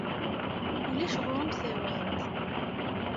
Ulac ɣur-m tawant.